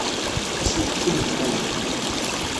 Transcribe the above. Ad as-yeḥku lemḥani.